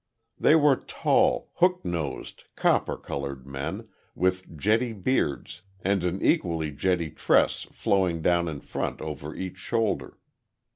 They were tall, hook nosed, copper coloured men, with jetty beards and an equally jetty tress flowing down in front over each shoulder.